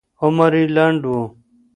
عمر یې لنډ و.